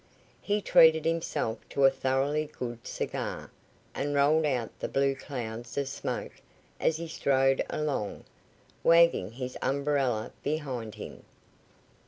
He treated himself to a thoroughly good cigar, and rolled out the blue clouds of smoke as he strode along, wagging his umbrella behind him.